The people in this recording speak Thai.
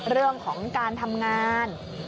เรื่องของการทำงาน